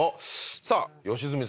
さぁ良純さん。